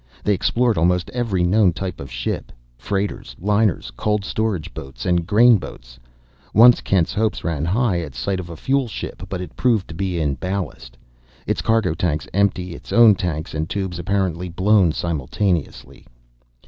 They explored almost every known type of ship freighters, liners, cold storage boats, and grain boats. Once Kent's hopes ran high at sight of a fuel ship, but it proved to be in ballast, its cargo tanks empty and its own tanks and tubes apparently blown simultaneously.